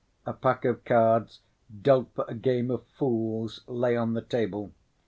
A pack of cards dealt for a game of "fools" lay on the table.